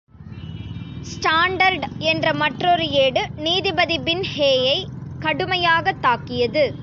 Standard என்ற மற்றொரு ஏடு, நீதிபதி பின்ஹேயையே கடுமையாகத் தாக்கியது.